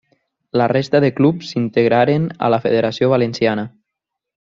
La resta de clubs s'integraren a la Federació Valenciana.